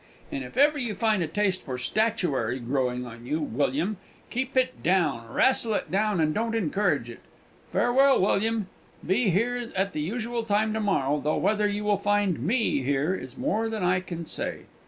And if ever you find a taste for statuary growing on you, William, keep it down, wrastle with it, and don't encourage it. Farewell, William! Be here at the usual time to morrow, though whether you will find me here is more than I can say."